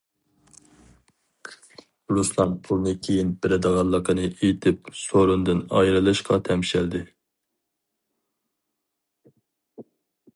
رۇسلان پۇلنى كېيىن بېرىدىغانلىقىنى ئېيتىپ سورۇندىن ئايرىلىشقا تەمشەلدى.